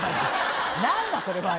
何だそれは！